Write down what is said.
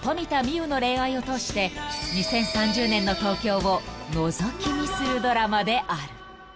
生の恋愛を通して２０３０年の東京をのぞき見するドラマである］